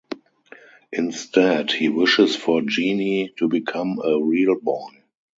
Instead, he wishes for Genie to become a real boy.